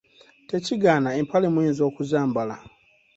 Tekigaana empale muyinza okuzambala.